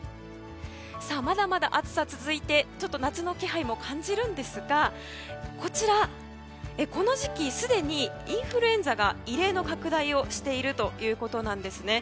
まだまだ暑さが続いて夏の気配も感じるんですがこちら、この時期すでにインフルエンザが異例の拡大をしているということです。